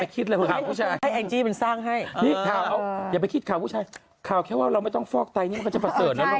ข่าวผู้ชายข่าวแค่ว่าเราไม่ต้องฟอกใต้นี่มันจะประเสริมแล้ว